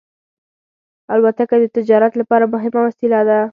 الوتکه د تجارت لپاره مهمه وسیله ده.